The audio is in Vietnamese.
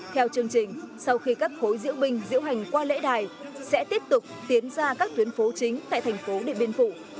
theo chương trình sau khi các khối diễu binh diễu hành qua lễ đài sẽ tiếp tục tiến ra các tuyến phố chính tại thành phố điện biên phủ